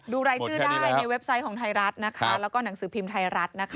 รายชื่อได้ในเว็บไซต์ของไทยรัฐนะคะแล้วก็หนังสือพิมพ์ไทยรัฐนะคะ